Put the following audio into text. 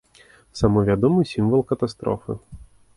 Самы вядомы сімвал катастрофы.